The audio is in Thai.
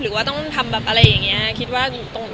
หรือว่าต้องทำแบบอะไรอย่างนี้